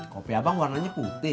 kopi abang warnanya putih